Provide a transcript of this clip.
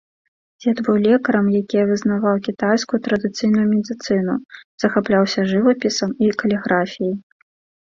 Дзед быў лекарам, якія вызнаваў кітайскую традыцыйную медыцыну, захапляўся жывапісам і каліграфіяй.